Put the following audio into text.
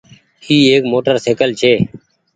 اي ايڪ موٽر سآئيڪل ڇي۔